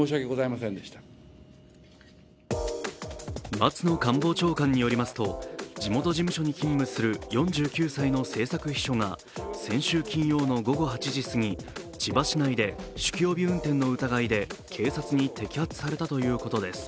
松野官房長官によりますと地元事務所に勤務する４９歳の政策秘書が先週金曜の午後８時すぎ千葉市内で酒気帯び運転の疑いで警察に摘発されたということです。